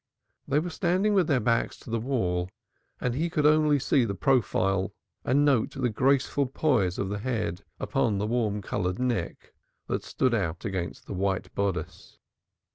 They were standing with their backs to the wall and he could only see the profile and note the graceful poise of the head upon the warm colored neck that stood out against the white bodice.